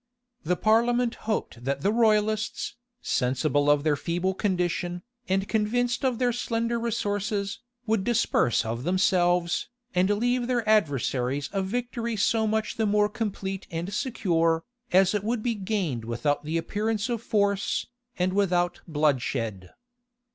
The parliament hoped that the royalists, sensible of their feeble condition, and convinced of their slender resources, would disperse of themselves, and leave their adversaries a victory so much the more complete and secure, as it would be gained without the appearance of force, and without bloodshed.